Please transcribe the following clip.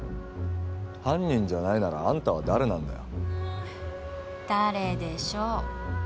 犯人じゃないならあんたは誰なんだよ誰でしょう？